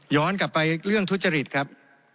กลับไปเรื่องทุจริตครับ